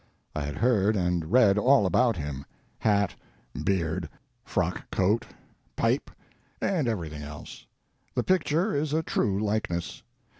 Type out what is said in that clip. I had heard and read all about him hat, beard, frock coat, pipe, and everything else. The picture is a true likeness.